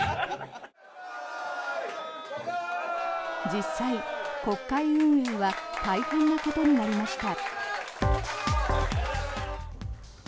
実際、国会運営は大変なことになりました。